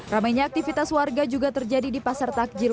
ramainya aktivitas warga juga terjadi di pasar takjil